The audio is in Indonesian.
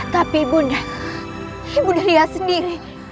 tapi ibunda ibunda dia sendiri